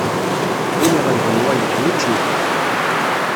Win iɣelben wayeḍ, yečč-it!